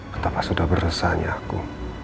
betapa sudah beresahnya aku